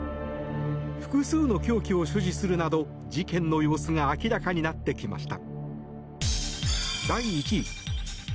複数の凶器を所持するなど事件の様子が明らかになってきました。